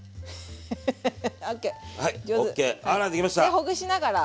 でほぐしながら。